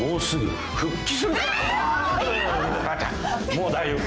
もう大丈夫。